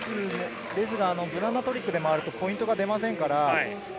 無難なトリックで回るとポイントが出ませんから。